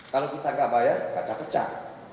kalau kita nggak bayar kaca pecah